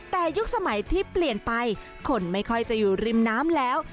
แต่ยุคสมัยที่เปลี่ยนไปคนไม่ค่อยจะอยู่ริมน้ำแล้ว